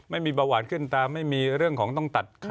ไม่มีเบาหวานขึ้นตามไม่มีเรื่องของต้องตัดขา